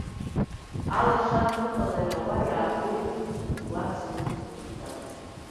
Алашара аныҟала иара уа иаабоит Леуарсеи Нуцеи рымацара.